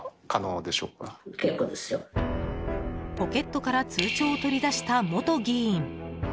ポケットから通帳を取り出した元議員。